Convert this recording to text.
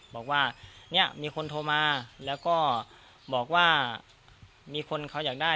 บอกว่าเนี่ยมีคนโทรมาแล้วก็บอกว่ามีคนเขาอยากได้